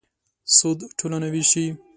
سود ټولنه وېشي.